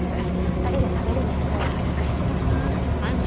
２人で食べるにしては作り過ぎだな。